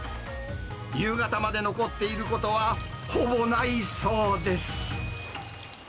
夕方まで残っていることはほぼないそうです。